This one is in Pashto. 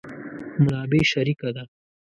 منابع شریکه ده.